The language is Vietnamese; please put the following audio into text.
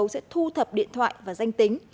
sẽ thu thập điện thoại và danh tính